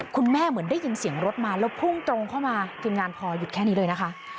เหมือนได้ยินเสียงรถมาแล้วพุ่งตรงเข้ามาทีมงานพอหยุดแค่นี้เลยนะคะ